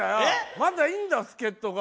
まだいんだ助っとが。